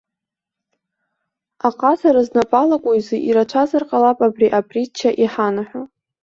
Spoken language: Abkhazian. Аҟазара знапы алаку изы ирацәазар ҟалап абра апритча иҳанаҳәо.